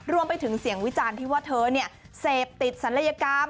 รวมไปถึงเสียงวิจารณ์ที่ว่าเธอเสพติดศัลยกรรม